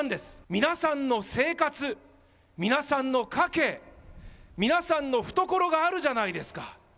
皆さんの生活、皆さんの家計、皆さんの懐があるじゃないですか。